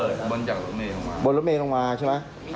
โดนระเบิดปลาก่อน